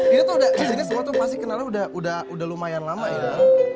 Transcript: ini tuh udah jadinya semua tuh pasti kenalnya udah lumayan lama ya